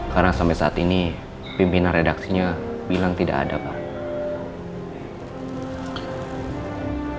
karena sampai saat ini pimpinan redaksinya bilang tidak ada pak